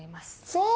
そう！